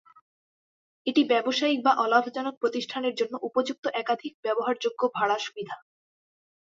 এটি ব্যবসায়িক বা অলাভজনক প্রতিষ্ঠানের জন্য উপযুক্ত একাধিক ব্যবহারযোগ্য ভাড়া সুবিধা।